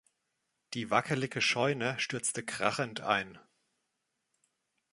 Die wackelige Scheune stürzte krachend ein.